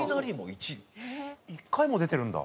１回も出てるんだ。